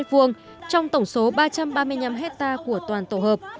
trong tổng số ba trăm ba mươi năm hectare của toàn tổ hợp